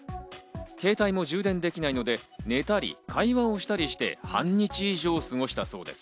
携帯も充電できないので寝たり、会話をしたりして半日以上過ごしたそうです。